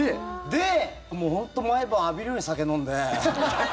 で、本当毎晩浴びるように酒飲んで。